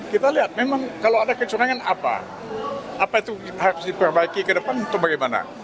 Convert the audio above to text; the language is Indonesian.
kita lihat memang kalau ada kecurangan apa apa itu harus diperbaiki ke depan atau bagaimana